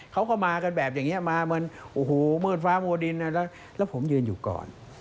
เขาก็มากันแบบอย่างนี้มาเหมือนโอ้โหมืดฟ้ามัวดินแล้วผมยืนอยู่ก่อน